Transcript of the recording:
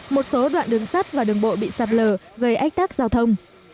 một số đoạn đường sắt và đường bộ bị sạt lở gây ách tác giao thông